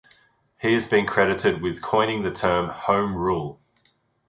He has been credited with coining the term "Home Rule".